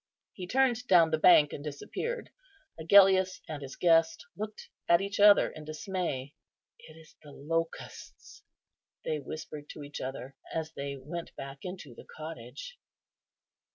He turned down the bank and disappeared. Agellius and his guest looked at each other in dismay. "It is the locusts," they whispered to each other, as they went back into the cottage.